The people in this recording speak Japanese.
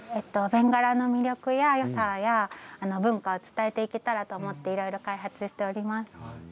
ベンガラの魅力やよさや文化を伝えていけたらと思っていろいろ開発しております。